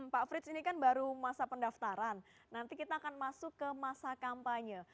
pak frits ini kan baru masa pendaftaran nanti kita akan masuk ke masa kampanye